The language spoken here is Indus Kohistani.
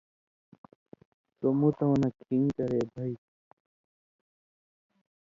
سو متؤں نہ کِھن٘گ کرے بھئ تُھو۔